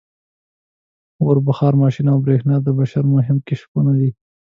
• اور، بخار ماشین او برېښنا د بشر مهم کشفونه دي.